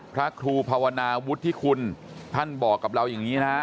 พระครูภาวนาวุฒิคุณท่านบอกกับเราอย่างนี้นะฮะ